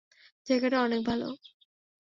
জায়গাটা অনেক ভালো।